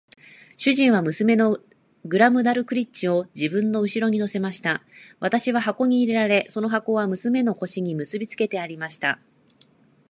主人は娘のグラムダルクリッチを自分の後に乗せました。私は箱に入れられ、その箱は娘の腰に結びつけてありました。